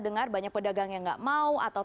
dengar banyak pedagang yang nggak mau atau